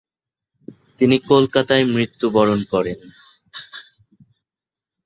তিনি কলকাতায় মৃত্যুবরণ করেন।